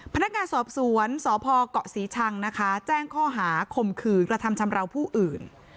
พนักงานสอบสวนสพเกาะศรีชังนะคะแจ้งข้อหาคมคืนกระทำชำราวผู้อื่น